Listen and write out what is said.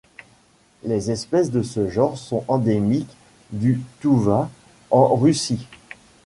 Les espèces de ce genre sont endémiques du Touva en Russie.